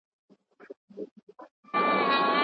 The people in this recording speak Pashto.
رسالت د بشري برتري بله نښه ده.